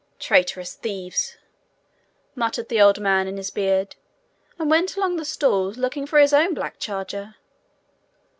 'Traitorous thieves!' muttered the old man in his beard, and went along the stalls, looking for his own black charger.